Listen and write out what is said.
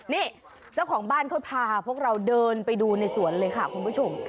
นี่เจ้าของบ้านเขาพาพวกเราเดินไปดูในสวนเลยค่ะคุณผู้ชม